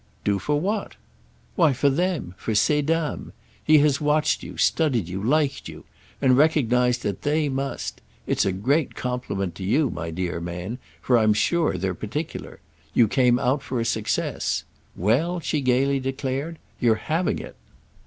"Do for what?" "Why, for them—for ces dames. He has watched you, studied you, liked you—and recognised that they must. It's a great compliment to you, my dear man; for I'm sure they're particular. You came out for a success. Well," she gaily declared, "you're having it!"